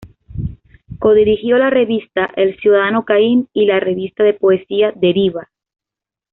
Codirigió la revista "El Ciudadano Caín" y la revista de poesía "Deriva".